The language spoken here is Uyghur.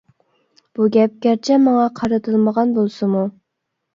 بۇ گەپ گەرچە ماڭا قارىتىلمىغان بولسىمۇ.